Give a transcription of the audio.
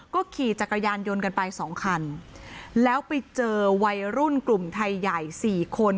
ก็ขี่จักรยานยนต์กันไปสองคันแล้วไปเจอวัยรุ่นกลุ่มไทยใหญ่สี่คน